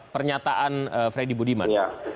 pernyataan freddy budiman